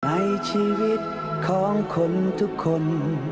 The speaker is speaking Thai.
ในชีวิตของคนทุกคน